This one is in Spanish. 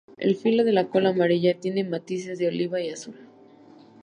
El filo de la cola amarilla tiene matices de oliva y azul.